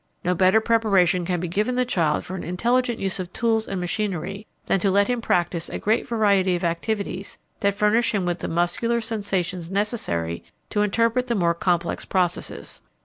No better preparation can be given the child for an intelligent use of tools and machinery than to let him practice a great variety of activities that furnish him with the muscular sensations necessary to interpret the more complex processes.